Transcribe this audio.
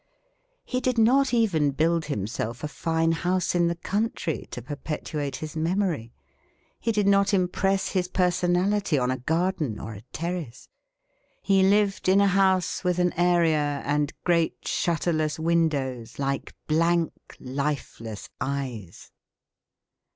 He did not even build himself a fine house in the country to perpetuate his memory. He did not im press his personality on a garden or a terrace. He lived in a house with an area and great shutterless windows like blank lifeless eyes.